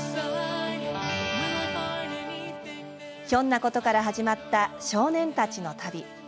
ひょんなことから始まった少年たちの旅。